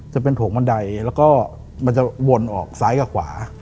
จะเป็นโถงบันไดแล้วก็มันจะวนออกซ้ายกับขวา